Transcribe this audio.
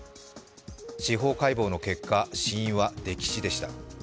司法解剖の結果、死因は溺死でした。